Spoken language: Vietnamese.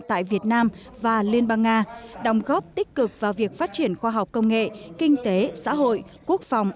tại việt nam và liên bang nga đồng góp tích cực vào việc phát triển khoa học công nghệ kinh tế xã hội quốc phòng